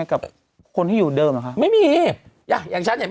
แค่พิธีกรอย่างนี้